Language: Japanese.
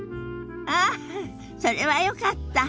ああそれはよかった。